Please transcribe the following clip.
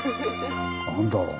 何だろう？